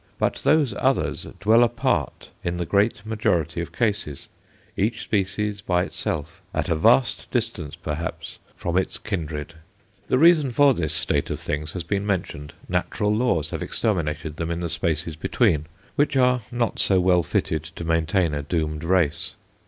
But those others dwell apart in the great majority of cases, each species by itself, at a vast distance perhaps from its kindred. The reason for this state of things has been mentioned natural laws have exterminated them in the spaces between, which are not so well fitted to maintain a doomed race.